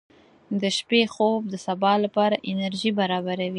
• د شپې خوب د سبا لپاره انرژي برابروي.